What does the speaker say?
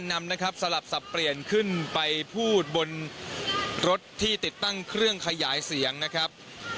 นำนะครับสลับสับเปลี่ยนขึ้นไปพูดบนรถที่ติดตั้งเครื่องขยายเสียงนะครับ